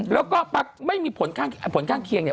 แล้วก็ไม่มีผลข้างเคียงเนี่ย